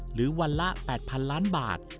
หรือวันละ๘๐๐๐ล้านบาท